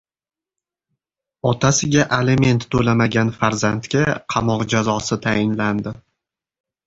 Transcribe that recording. Otasiga aliment to‘lamagan farzandga qamoq jazosi tayinlandi